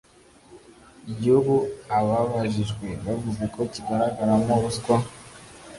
igihugu ababajijwe bavuze ko kigaragaramo ruswa